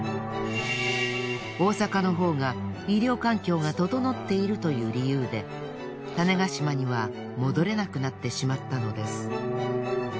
大阪のほうが医療環境が整っているという理由で種子島には戻れなくなってしまったのです。